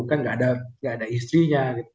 kan nggak ada istrinya